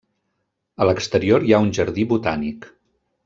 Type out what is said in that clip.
A l'exterior hi ha un jardí botànic.